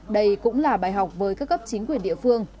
đây cũng là bài học với các cấp chính quyền địa phương